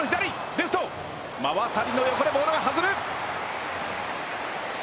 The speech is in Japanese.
レフト馬渡の横でボールが弾む！